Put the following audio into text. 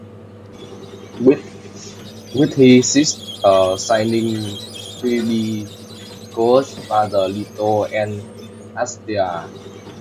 With his sister, "shining" Phoebe, Coeus fathered Leto and Asteria.